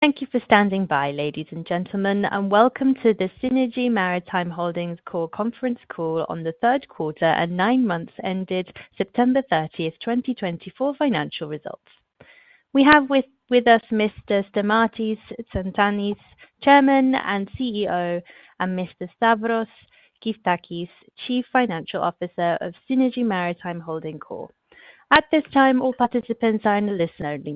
Thank you for standing by, ladies and gentlemen, and welcome to the Seanergy Maritime Holdings Corp. Q3 Conference Call on the Q3 and nine months ended September 30, 2024, financial results. We have with us Mr. Stamatis Tsantanis, Chairman and CEO, and Mr. Stavros Gyftakis, Chief Financial Officer of Seanergy Maritime Holdings Corp. At this time, all participants are in a listen-only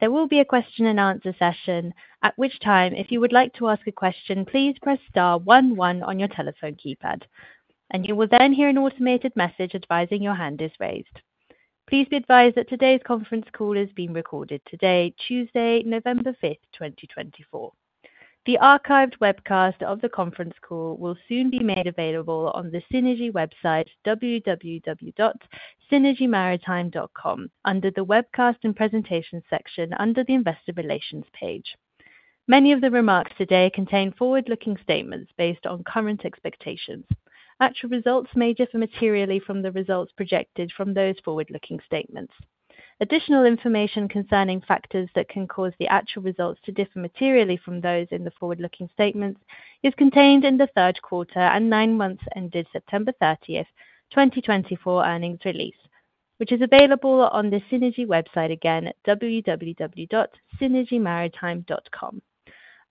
mode. There will be a question-and-answer session, at which time, if you would like to ask a question, please press star 11 on your telephone keypad, and you will then hear an automated message advising your hand is raised. Please be advised that today's conference call is being recorded today, Tuesday, November 5, 2024. The archived webcast of the conference call will soon be made available on the Seanergy website, www.seanergymaritime.com, under the Webcast and Presentations section under the Investor Relations page. Many of the remarks today contain forward-looking statements based on current expectations. Actual results may differ materially from the results projected from those forward-looking statements. Additional information concerning factors that can cause the actual results to differ materially from those in the forward-looking statements is contained in the Q3 and nine months-ended September 30, 2024, earnings release, which is available on the Seanergy website again at www.seanergymaritime.com.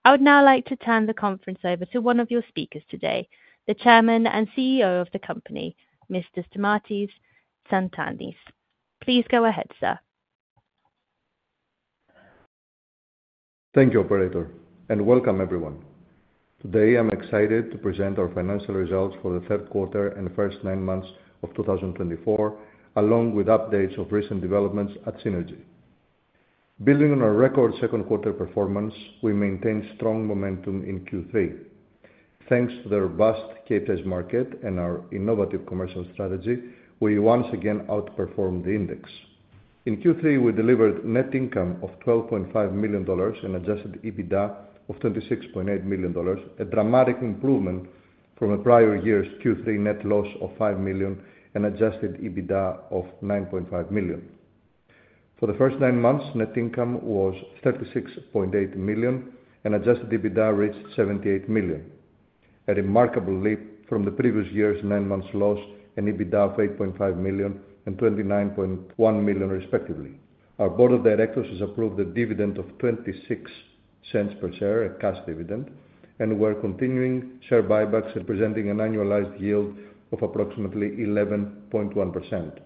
I would now like to turn the conference over to one of your speakers today, the Chairman and CEO of the company, Mr. Stamatis Tsantanis. Please go ahead, sir. Thank you, Operator, and welcome, everyone. Today, I'm excited to present our financial results for the Q3 and first nine months of 2024, along with updates of recent developments at Seanergy. Building on our record Q2 performance, we maintained strong momentum in Q3. Thanks to the robust CapEx market and our innovative commercial strategy, we once again outperformed the index. In Q3, we delivered net income of $12.5 million and adjusted EBITDA of $26.8 million, a dramatic improvement from a prior year's Q3 net loss of $5 million and adjusted EBITDA of $9.5 million. For the first nine months, net income was $36.8 million, and adjusted EBITDA reached $78 million, a remarkable leap from the previous year's nine-month loss and EBITDA of $8.5 million and $29.1 million, respectively. Our Board of Directors has approved a dividend of $0.26 per share, a cash dividend, and we're continuing share buybacks and presenting an annualized yield of approximately 11.1%.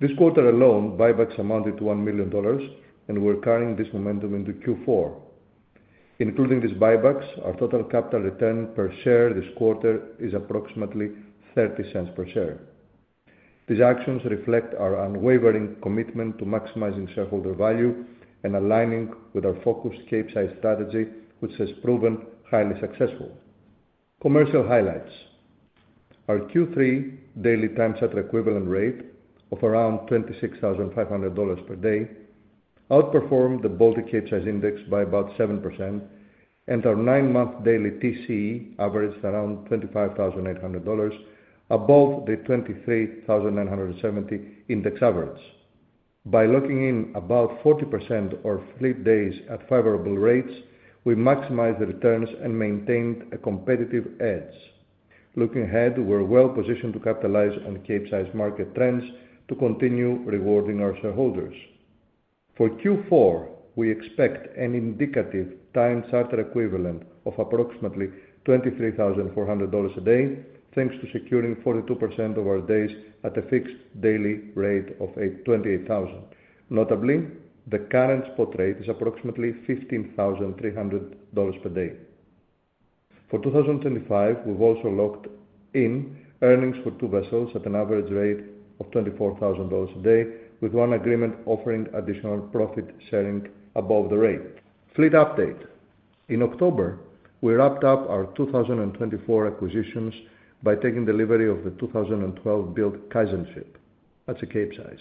This quarter alone, buybacks amounted to $1 million, and we're carrying this momentum into Q4. Including these buybacks, our total capital return per share this quarter is approximately $0.30 per share. These actions reflect our unwavering commitment to maximizing shareholder value and aligning with our focused Capesize strategy, which has proven highly successful. Commercial highlights: our Q3 daily time charter equivalent rate of around $26,500 per day outperformed the Baltic Capesize Index by about 7%, and our nine-month daily TCE averaged around $25,800, above the $23,970 index average. By locking in about 40% of fleet days at favorable rates, we maximized the returns and maintained a competitive edge. Looking ahead, we're well-positioned to capitalize on Capesize market trends to continue rewarding our shareholders. For Q4, we expect an indicative time charter equivalent of approximately $23,400 a day, thanks to securing 42% of our days at a fixed daily rate of $28,000. Notably, the current spot rate is approximately $15,300 per day. For 2025, we've also locked in earnings for two vessels at an average rate of $24,000 a day, with one agreement offering additional profit sharing above the rate. Fleet update: in October, we wrapped up our 2024 acquisitions by taking delivery of the 2012-built Kaizenship. That's a Capesize,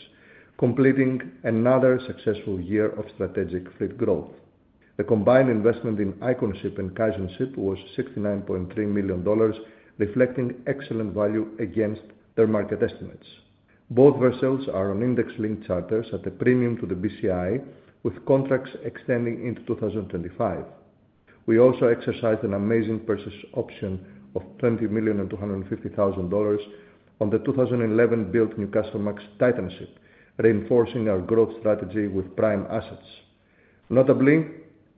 completing another successful year of strategic fleet growth. The combined investment in Iconship and Kaizenship was $69.3 million, reflecting excellent value against their market estimates. Both vessels are on index-linked charters at a premium to the BCI, with contracts extending into 2025. We also exercised an option purchase of $20,250,000 on the 2011-built Newcastlemax Titanship, reinforcing our growth strategy with prime assets. Notably,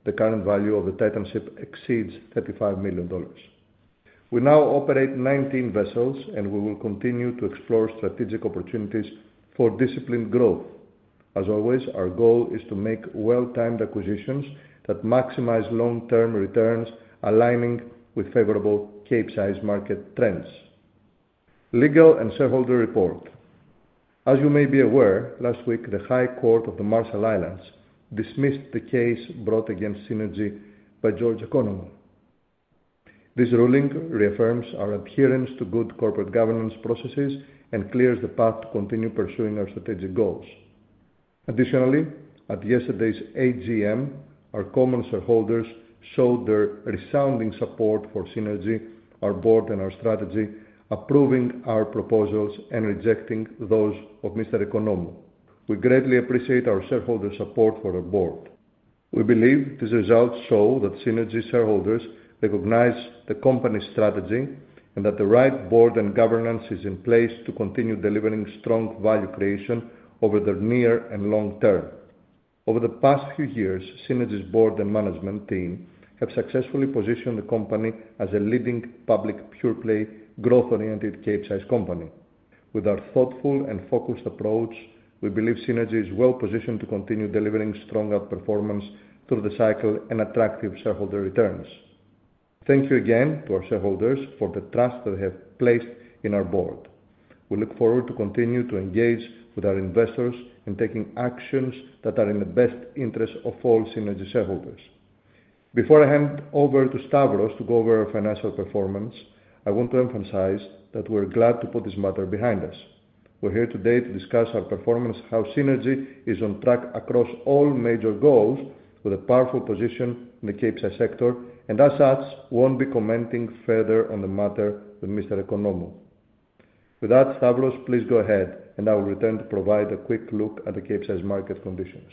the current value of the Titanship exceeds $35 million. We now operate 19 vessels, and we will continue to explore strategic opportunities for disciplined growth. As always, our goal is to make well-timed acquisitions that maximize long-term returns, aligning with favorable Capesize market trends. Legal and shareholder report: as you may be aware, last week, the High Court of the Marshall Islands dismissed the case brought against Seanergy by George Economou. This ruling reaffirms our adherence to good corporate governance processes and clears the path to continue pursuing our strategic goals. Additionally, at yesterday's AGM, our common shareholders showed their resounding support for Seanergy, our board, and our strategy, approving our proposals and rejecting those of Mr. Economou. We greatly appreciate our shareholder support for our board. We believe these results show that Seanergy's shareholders recognize the company's strategy and that the right board and governance is in place to continue delivering strong value creation over the near and long term. Over the past few years, Seanergy's board and management team have successfully positioned the company as a leading public pure-play, growth-oriented Capesize company. With our thoughtful and focused approach, we believe Seanergy is well-positioned to continue delivering strong outperformance through the cycle and attractive shareholder returns. Thank you again to our shareholders for the trust they have placed in our board. We look forward to continuing to engage with our investors and taking actions that are in the best interest of all Seanergy shareholders. Before I hand over to Stavros to go over our financial performance, I want to emphasize that we're glad to put this matter behind us. We're here today to discuss our performance, how Seanergy is on track across all major goals with a powerful position in the Capesize sector, and as such, won't be commenting further on the matter with Mr. Economou. With that, Stavros, please go ahead, and I will return to provide a quick look at the Capesize market conditions.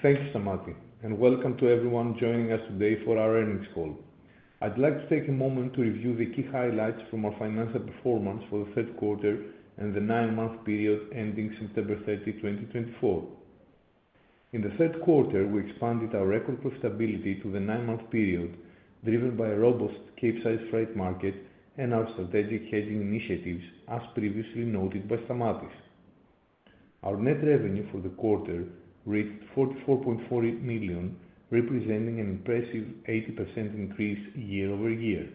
Thank you, Stamatis, and welcome to everyone joining us today for our earnings call. I'd like to take a moment to review the key highlights from our financial performance for the Q3 and the nine-month period ending September 30, 2024. In the Q3, we expanded our record-breaking stability to the nine-month period, driven by a robust Capesize trade market and our strategic hedging initiatives, as previously noted by Stamatis. Our net revenue for the quarter reached $44.4 million, representing an impressive 80% increase year over year.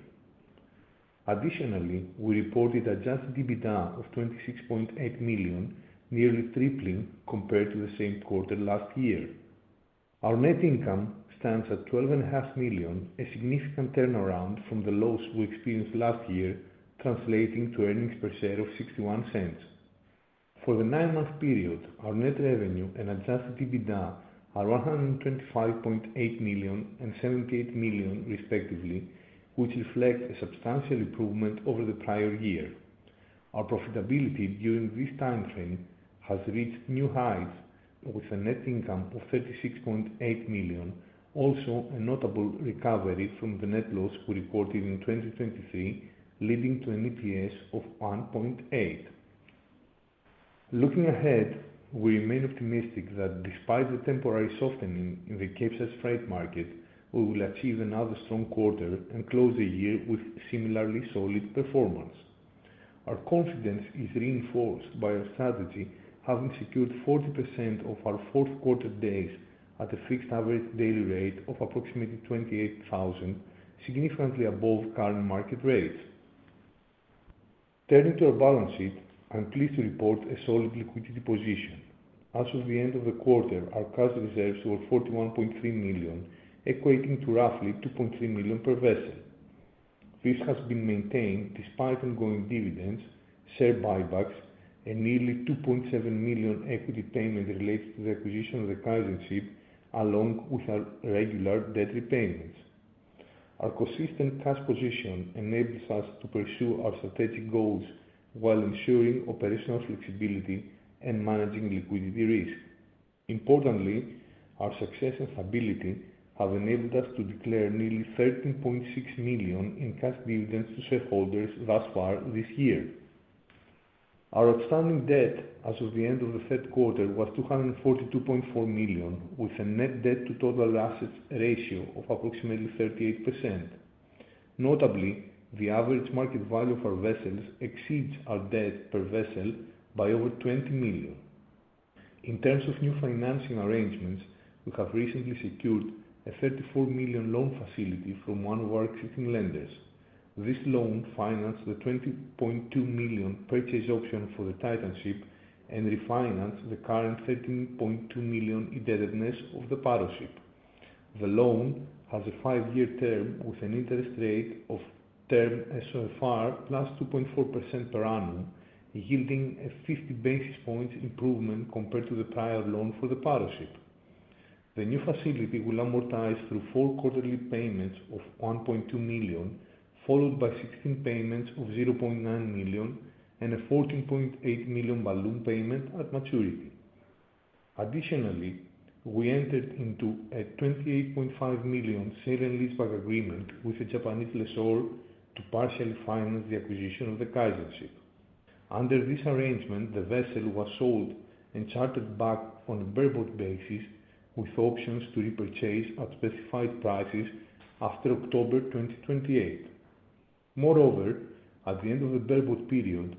Additionally, we reported adjusted EBITDA of $26.8 million, nearly tripling compared to the same quarter last year. Our net income stands at $12.5 million, a significant turnaround from the loss we experienced last year, translating to earnings per share of $0.61. For the nine-month period, our net revenue and Adjusted EBITDA are $125.8 million and $78 million, respectively, which reflect a substantial improvement over the prior year. Our profitability during this time frame has reached new highs, with a net income of $36.8 million, also a notable recovery from the net loss we reported in 2023, leading to an EPS of $1.8. Looking ahead, we remain optimistic that despite the temporary softening in the Capesize trade market, we will achieve another strong quarter and close the year with similarly solid performance. Our confidence is reinforced by our strategy, having secured 40% of our Q4 days at a fixed average daily rate of approximately $28,000, significantly above current market rates. Turning to our balance sheet, I'm pleased to report a solid liquidity position. As of the end of the quarter, our cash reserves were $41.3 million, equating to roughly $2.3 million per vessel. This has been maintained despite ongoing dividends, share buybacks, and nearly $2.7 million equity payment related to the acquisition of the Kaizenship, along with our regular debt repayments. Our consistent cash position enables us to pursue our strategic goals while ensuring operational flexibility and managing liquidity risk. Importantly, our success and stability have enabled us to declare nearly $13.6 million in cash dividends to shareholders thus far this year. Our outstanding debt as of the end of the Q3 was $242.4 million, with a net debt-to-total assets ratio of approximately 38%. Notably, the average market value of our vessels exceeds our debt per vessel by over $20 million. In terms of new financing arrangements, we have recently secured a $34 million loan facility from one of our existing lenders. This loan finances the $20.2 million purchase option for the Titanship and refinances the current $13.2 million indebtedness of the Paroship. The loan has a five-year term with an interest rate of Term SOFR plus 2.4% per annum, yielding a 50 basis points improvement compared to the prior loan for the Paroship. The new facility will amortize through four quarterly payments of $1.2 million, followed by 16 payments of $0.9 million and a $14.8 million balloon payment at maturity. Additionally, we entered into a $28.5 million sale and lease back agreement with a Japanese lessor to partially finance the acquisition of the Kaizenship. Under this arrangement, the vessel was sold and chartered back on a bareboat basis, with options to repurchase at specified prices after October 2028. Moreover, at the end of the bareboat period,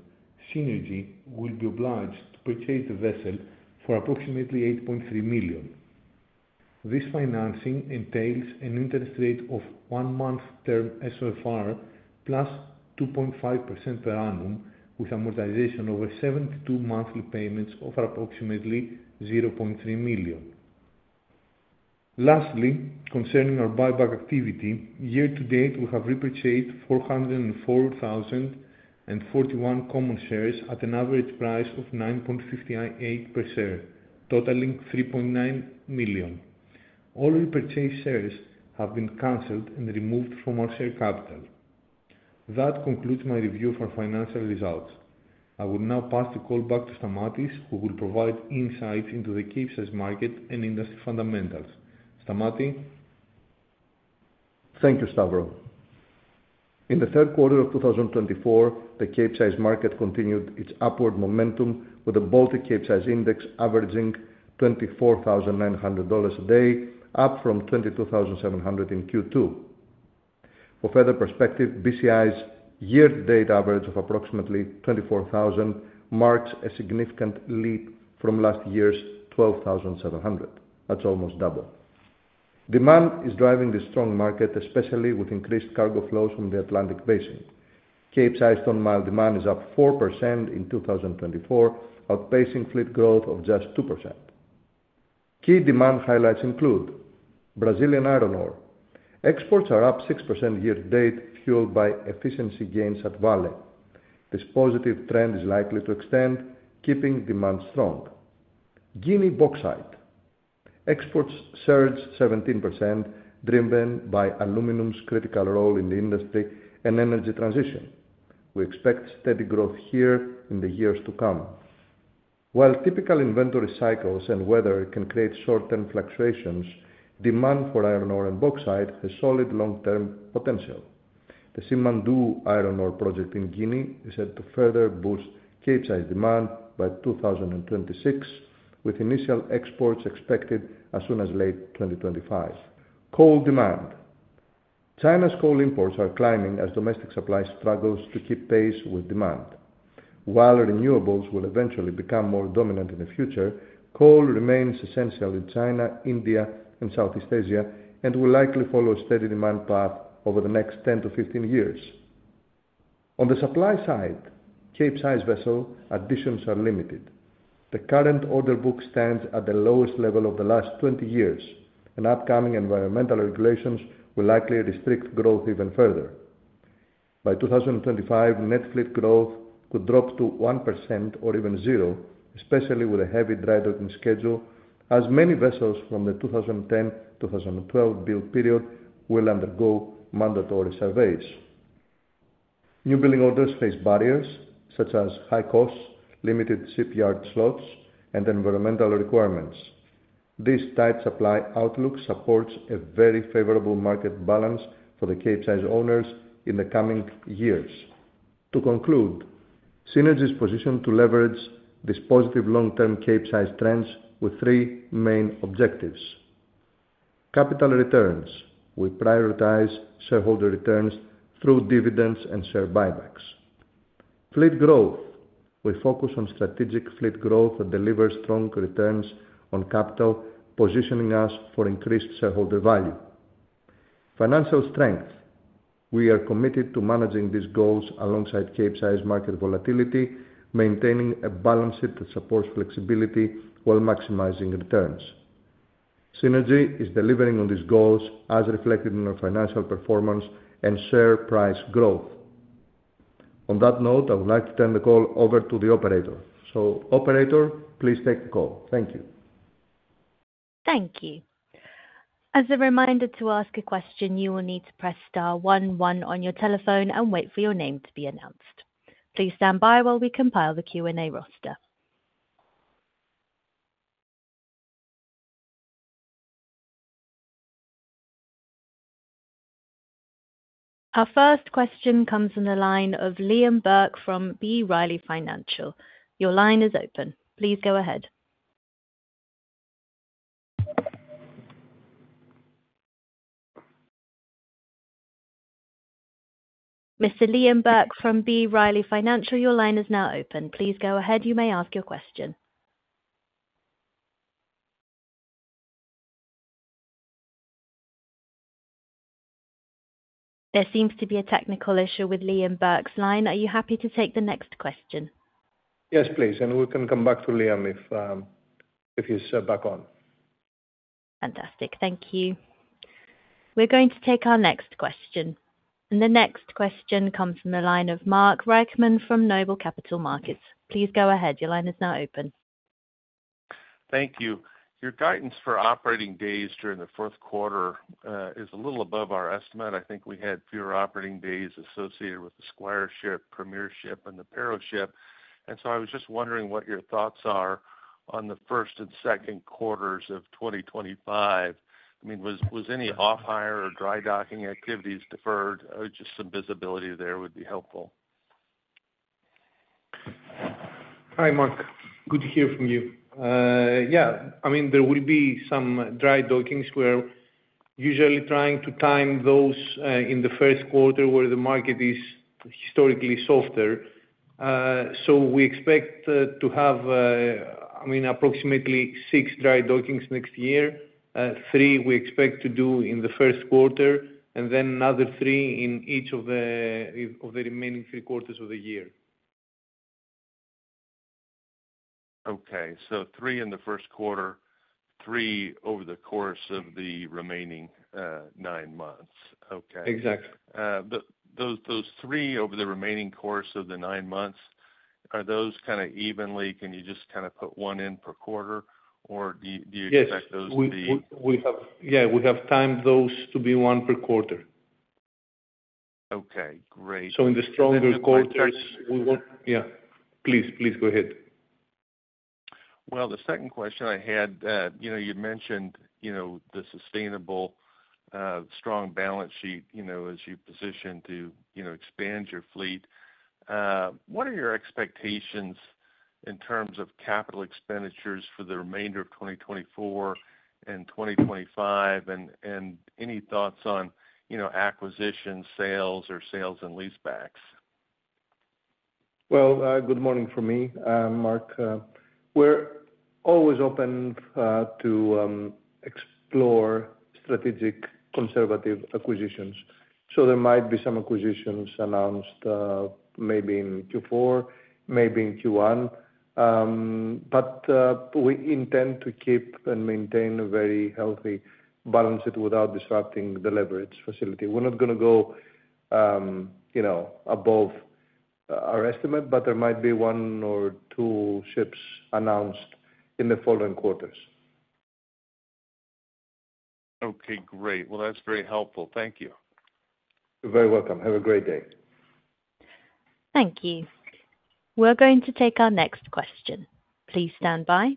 Seanergy will be obliged to purchase the vessel for approximately $8.3 million. This financing entails an interest rate of one-month term SOFR plus 2.5% per annum, with amortization over 72 monthly payments of approximately $0.3 million. Lastly, concerning our buyback activity, year to date, we have repurchased 404,041 common shares at an average price of $9.58 per share, totaling $3.9 million. All repurchased shares have been canceled and removed from our share capital. That concludes my review of our financial results. I will now pass the call back to Stamatis, who will provide insights into the Capesize market and industry fundamentals. Stamatis. Thank you, Stavros. In the Q3 of 2024, the Capesize market continued its upward momentum, with the Baltic Capesize Index averaging $24,900 a day, up from $22,700 in Q2. For further perspective, BCI's year-to-date average of approximately $24,000 marks a significant leap from last year's $12,700. That's almost double. Demand is driving this strong market, especially with increased cargo flows from the Atlantic Basin. Capesize-on-demand is up 4% in 2024, outpacing fleet growth of just 2%. Key demand highlights include: Brazilian iron ore. Exports are up 6% year to date, fueled by efficiency gains at Vale. This positive trend is likely to extend, keeping demand strong. Guinea bauxite. Exports surge 17%, driven by aluminum's critical role in the industry and energy transition. We expect steady growth here in the years to come. While typical inventory cycles and weather can create short-term fluctuations, demand for iron ore and bauxite has solid long-term potential. The Simandou iron ore project in Guinea is set to further boost Capesize demand by 2026, with initial exports expected as soon as late 2025. Coal demand. China's coal imports are climbing as domestic supply struggles to keep pace with demand. While renewables will eventually become more dominant in the future, coal remains essential in China, India, and Southeast Asia and will likely follow a steady demand path over the next 10 to 15 years. On the supply side, Capesize vessel additions are limited. The current order book stands at the lowest level of the last 20 years, and upcoming environmental regulations will likely restrict growth even further. By 2025, net fleet growth could drop to 1% or even zero, especially with a heavy dry-docking schedule, as many vessels from the 2010 to 2012 build period will undergo mandatory surveys. Newbuilding orders face barriers such as high costs, limited shipyard slots, and environmental requirements. This tight supply outlook supports a very favorable market balance for the Capesize owners in the coming years. To conclude, Seanergy is positioned to leverage these positive long-term Capesize trends with three main objectives: Capital returns. We prioritize shareholder returns through dividends and share buybacks. Fleet growth. We focus on strategic fleet growth that delivers strong returns on capital, positioning us for increased shareholder value. Financial strength. We are committed to managing these goals alongside Capesize market volatility, maintaining a balance sheet that supports flexibility while maximizing returns. Seanergy is delivering on these goals, as reflected in our financial performance and share price growth. On that note, I would like to turn the call over to the operator. So, operator, please take the call. Thank you. Thank you. As a reminder to ask a question, you will need to press star 11 on your telephone and wait for your name to be announced. Please stand by while we compile the Q&A roster. Our first question comes on the line of Liam Burke from B. Riley Financial. Your line is open. Please go ahead. Mr. Liam Burke from B. Riley Financial, your line is now open. Please go ahead. You may ask your question. There seems to be a technical issue with Liam Burke's line. Are you happy to take the next question? Yes, please, and we can come back to Liam if he's back on. Fantastic. Thank you. We're going to take our next question, and the next question comes from the line of Mark Reichman from Noble Capital Markets. Please go ahead. Your line is now open. Thank you. Your guidance for operating days during the Q4 is a little above our estimate. I think we had fewer operating days associated with the Squireship, Premiership, and the Paroship. And so I was just wondering what your thoughts are on the first and Q2s of 2025. I mean, was any off-hire or dry-docking activities deferred? Just some visibility there would be helpful. Hi, Mark. Good to hear from you. Yeah, I mean, there will be some dry-dockings where usually trying to time those in the Q1 where the market is historically softer. So we expect to have, I mean, approximately six dry-dockings next year, three we expect to do in the Q1, and then another three in each of the remaining three quarters of the year. Okay. So three in the Q1, three over the course of the remaining nine months. Okay. Exactly. Those three over the remaining course of the nine months, are those kind of evenly? Can you just kind of put one in per quarter, or do you expect those to be? Yes. Yeah, we have timed those to be one per quarter. Okay. Great. So in the stronger quarters, we want, yeah. Please, please go ahead. Well, the second question I had, you'd mentioned the sustainable, strong balance sheet as you position to expand your fleet. What are your expectations in terms of capital expenditures for the remainder of 2024 and 2025, and any thoughts on acquisition, sales, or sales and leasebacks? Good morning from me, Mark. We're always open to explore strategic conservative acquisitions. So there might be some acquisitions announced maybe in Q4, maybe in Q1. But we intend to keep and maintain a very healthy balance sheet without disrupting the leverage facility. We're not going to go above our estimate, but there might be one or two ships announced in the following quarters. Okay. Great. Well, that's very helpful. Thank you. You're very welcome. Have a great day. Thank you. We're going to take our next question. Please stand by,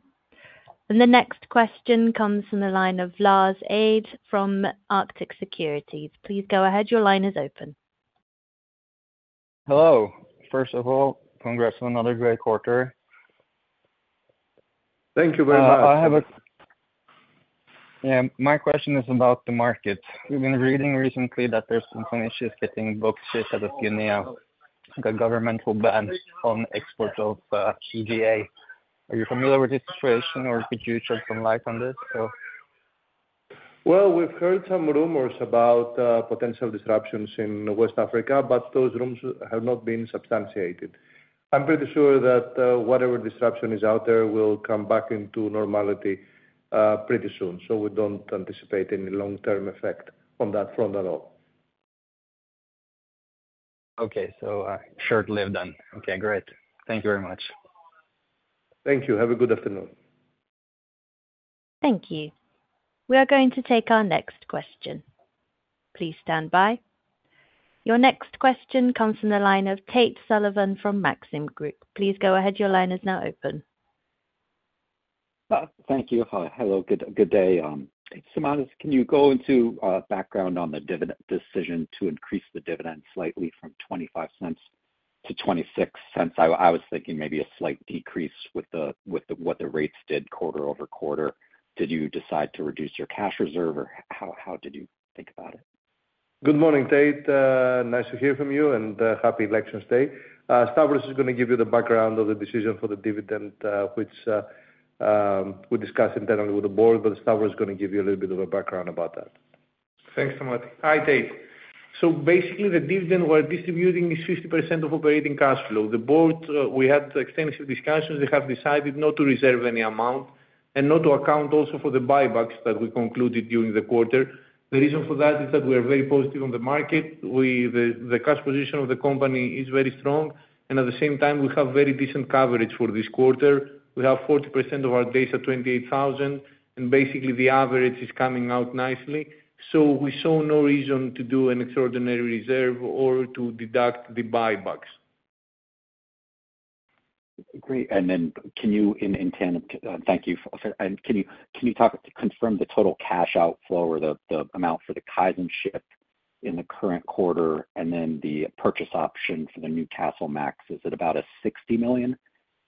and the next question comes from the line of Lars Østereng from Arctic Securities. Please go ahead. Your line is open. Hello. First of all, congrats on another great quarter. Thank you very much. My question is about the market. We've been reading recently that there's been some issues getting booked ships out of Guinea with a governmental ban on export of EGA. Are you familiar with this situation, or could you shed some light on this? We've heard some rumors about potential disruptions in West Africa, but those rumors have not been substantiated. I'm pretty sure that whatever disruption is out there will come back into normality pretty soon. We don't anticipate any long-term effect on that front at all. Okay. So short-lived then. Okay. Great. Thank you very much. Thank you. Have a good afternoon. Thank you. We are going to take our next question. Please stand by. Your next question comes from the line of Tate Sullivan from Maxim Group. Please go ahead. Your line is now open. Thank you. Hello. Good day. Stamatis. Can you go into background on the decision to increase the dividend slightly from $0.25 to 0.26? I was thinking maybe a slight decrease with what the rates did quarter over quarter. Did you decide to reduce your cash reserve, or how did you think about it? Good morning, Tate. Nice to hear from you and happy election day. Stavros is going to give you the background of the decision for the dividend, which we discussed internally with the board, but Stavros is going to give you a little bit of a background about that. Thanks, Stamatis. Hi, Tate. So basically, the dividend we're distributing is 50% of operating cash flow. The board, we had extensive discussions. They have decided not to reserve any amount and not to account also for the buybacks that we concluded during the quarter. The reason for that is that we are very positive on the market. The cash position of the company is very strong. And at the same time, we have very decent coverage for this quarter. We have 40% of our data at 28,000, and basically, the average is coming out nicely. So we saw no reason to do an extraordinary reserve or to deduct the buybacks. Great. And then can you. Thank you. And can you confirm the total cash outflow or the amount for the Kaizenship in the current quarter and then the purchase option for the Newcastlemax? Is it about a $60 million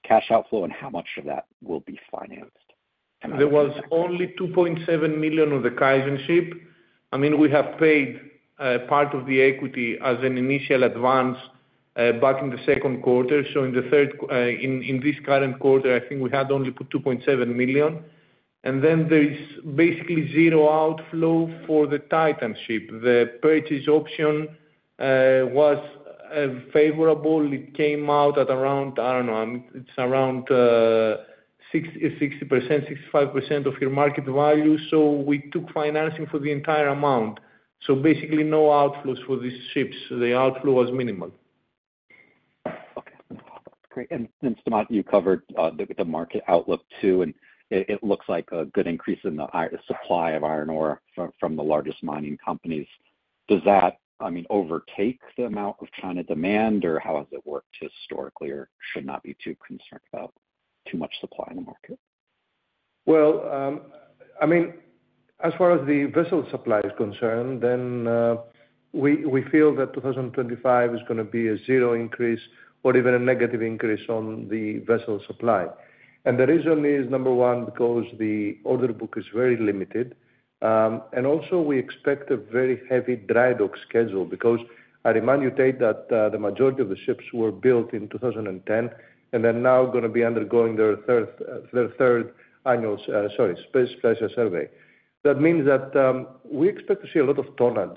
cash outflow, and how much of that will be financed? There was only $2.7 million of the Kaizenship. I mean, we have paid part of the equity as an initial advance back in the Q2. So in this current quarter, I think we had only put $2.7 million. And then there is basically zero outflow for the Titanship. The purchase option was favorable. It came out at around. I don't know. It's around 60%, 65% of your market value. So we took financing for the entire amount. So basically, no outflows for these ships. The outflow was minimal. Okay. Great. And Stamatis, you covered the market outlook too, and it looks like a good increase in the supply of iron ore from the largest mining companies. Does that, I mean, overtake the amount of China demand, or how has it worked historically or should not be too concerned about too much supply in the market? Well, I mean, as far as the vessel supply is concerned, then we feel that 2025 is going to be a zero increase or even a negative increase on the vessel supply. And the reason is, number one, because the order book is very limited. And also, we expect a very heavy dry-dock schedule because I remind you, Tate, that the majority of the ships were built in 2010 and are now going to be undergoing their third annual—sorry, special survey. That means that we expect to see a lot of tons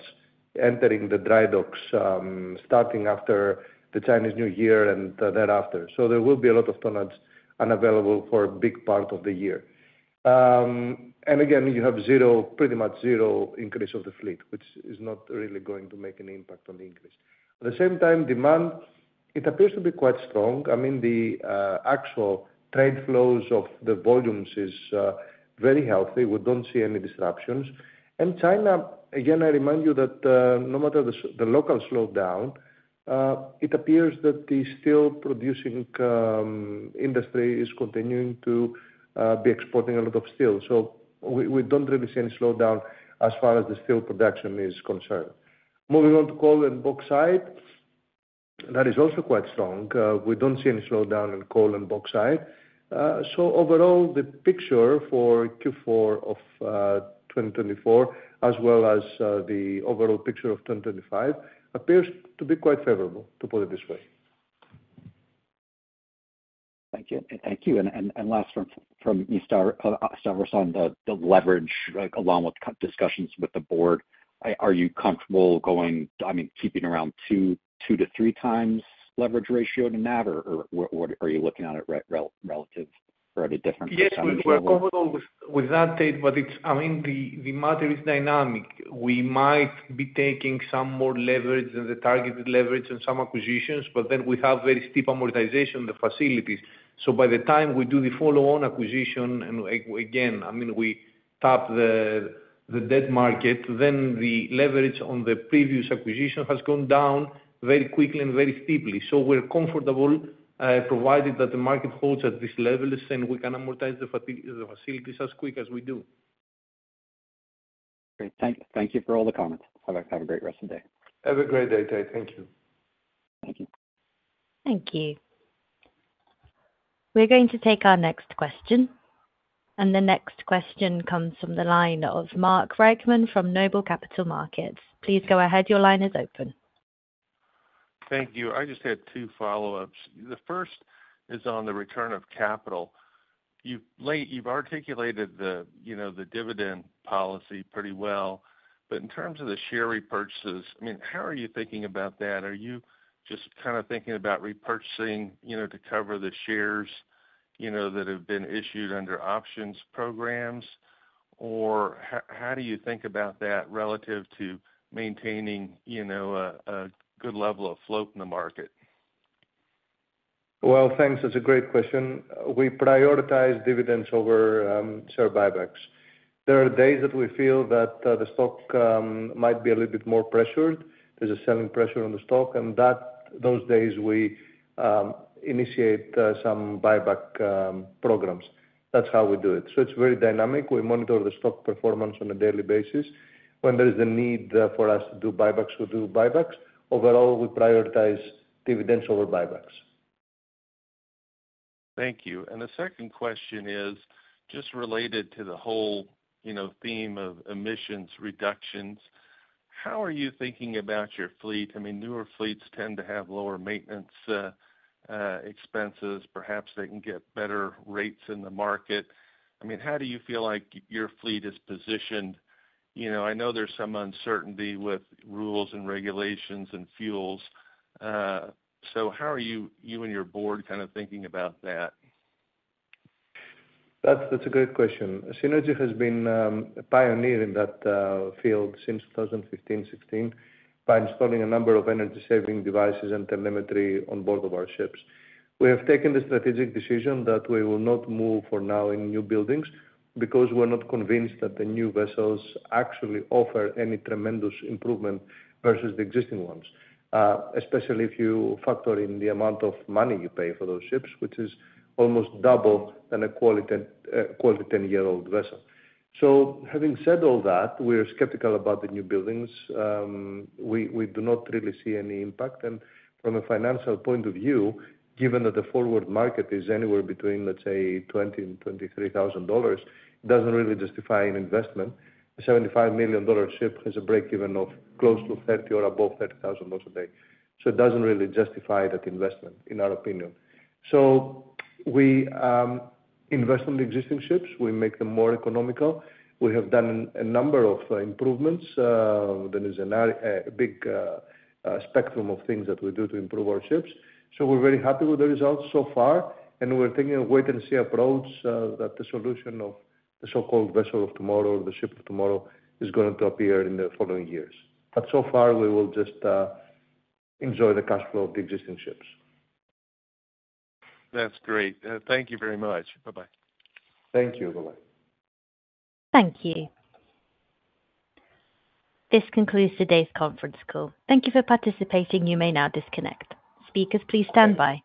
entering the dry docks starting after the Chinese New Year and thereafter. So there will be a lot of tons unavailable for a big part of the year. And again, you have pretty much zero increase of the fleet, which is not really going to make an impact on the increase. At the same time, demand, it appears to be quite strong. I mean, the actual trade flows of the volumes are very healthy. We don't see any disruptions. And China, again, I remind you that no matter the local slowdown, it appears that the steel-producing industry is continuing to be exporting a lot of steel. So we don't really see any slowdown as far as the steel production is concerned. Moving on to coal and bauxite, that is also quite strong. We don't see any slowdown in coal and bauxite. So overall, the picture for Q4 of 2024, as well as the overall picture of 2025, appears to be quite favorable, to put it this way. Thank you. And last from Stavros on the leverage, along with discussions with the board, are you comfortable going, I mean, keeping around two to three times leverage ratio to NAV, or are you looking at it relative or at a different percentage? Yes, we're comfortable with that, Tate, but I mean, the matter is dynamic. We might be taking some more leverage than the targeted leverage on some acquisitions, but then we have very steep amortization on the facilities. So by the time we do the follow-on acquisition, and again, I mean, we tap the debt market, then the leverage on the previous acquisition has gone down very quickly and very steeply. So we're comfortable provided that the market holds at these levels, then we can amortize the facilities as quick as we do. Great. Thank you for all the comments. Have a great rest of the day. Have a great day, Tate. Thank you. Thank you. Thank you. We're going to take our next question, and the next question comes from the line of Mark Reichman from Noble Capital Markets. Please go ahead. Your line is open. Thank you. I just had two follow-ups. The first is on the return of capital. You've articulated the dividend policy pretty well, but in terms of the share repurchases, I mean, how are you thinking about that? Are you just kind of thinking about repurchasing to cover the shares that have been issued under options programs, or how do you think about that relative to maintaining a good level of float in the market? Thanks. That's a great question. We prioritize dividends over share buybacks. There are days that we feel that the stock might be a little bit more pressured. There's a selling pressure on the stock, and those days we initiate some buyback programs. That's how we do it, so it's very dynamic. We monitor the stock performance on a daily basis. When there is the need for us to do buybacks, we do buybacks. Overall, we prioritize dividends over buybacks. Thank you. And the second question is just related to the whole theme of emissions reductions. How are you thinking about your fleet? I mean, newer fleets tend to have lower maintenance expenses. Perhaps they can get better rates in the market. I mean, how do you feel like your fleet is positioned? I know there's some uncertainty with rules and regulations and fuels. So how are you and your board kind of thinking about that? That's a great question. Seanergy has been a pioneer in that field since 2015, 2016, by installing a number of energy-saving devices and telemetry on board of our ships. We have taken the strategic decision that we will not move for now in new buildings because we're not convinced that the new vessels actually offer any tremendous improvement versus the existing ones, especially if you factor in the amount of money you pay for those ships, which is almost double than a quality 10-year-old vessel. So having said all that, we're skeptical about the new buildings. We do not really see any impact. And from a financial point of view, given that the forward market is anywhere between, let's say, $20,000 and $23,000, it doesn't really justify an investment. A $75 million ship has a break-even of close to $30,000 or above. So it doesn't really justify that investment, in our opinion. So we invest on the existing ships. We make them more economical. We have done a number of improvements. There is a big spectrum of things that we do to improve our ships. So we're very happy with the results so far. And we're taking a wait-and-see approach that the solution of the so-called vessel of tomorrow or the ship of tomorrow is going to appear in the following years. But so far, we will just enjoy the cash flow of the existing ships. That's great. Thank you very much. Bye-bye. Thank you. Bye-bye. Thank you. This concludes today's conference call. Thank you for participating. You may now disconnect. Speakers, please stand by.